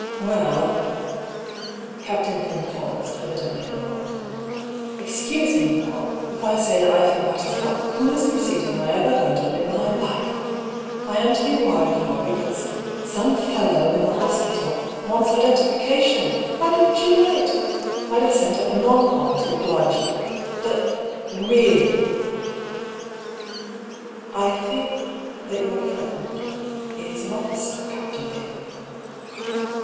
" Well " Captain Pym paused, evidently annoyed. " Excuse me, Paull, if I say that I think that is about the coolest proceeding I ever heard of in my life ! I am to be wired for because some fellow in the hospital wants identification ! Why didn't you write ? I'd have sent up a non com. to oblige you. But — really " 72 DR. PAULL'S THEORY. " I think — ^that your friend — is an officer, Captain Pym."